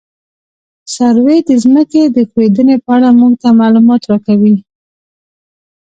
سروې د ځمکې د ښوېدنې په اړه موږ ته معلومات راکوي